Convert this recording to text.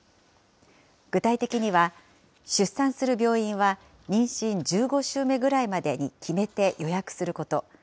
具体的には、出産する病院は妊娠１５週目ぐらいまでに決めて予約すること。